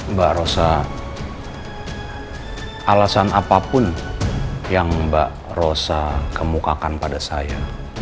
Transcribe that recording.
mbak rosa alasan apapun yang mbak rosa kemukakan pada saya